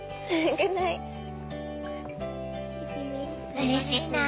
うれしいな。